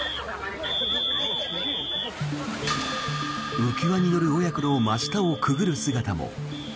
浮輪に乗る親子の真下をくぐる姿も。